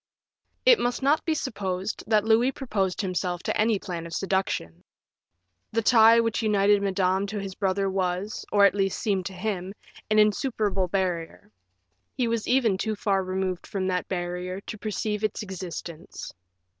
It must not be supposed that Louis proposed to himself any plan of seduction; the tie which united Madame to his brother was, or at least, seemed to him, an insuperable barrier; he was even too far removed from that barrier to perceive its existence.